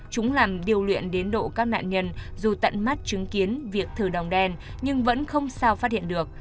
chúng làm điêu luyện đến độ các nạn nhân dù tận mắt chứng kiến việc thử đồng đen nhưng vẫn không sao phát hiện được